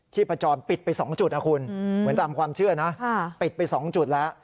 พจรปิดไป๒จุดนะคุณเหมือนตามความเชื่อนะปิดไป๒จุดแล้ว